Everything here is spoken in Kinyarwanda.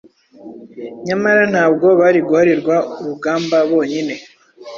Nyamara ntabwo bari guharirwa urugamba bonyine.